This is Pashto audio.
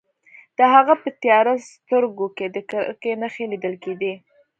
د هغه په تیاره سترګو کې د کرکې نښې لیدل کیدې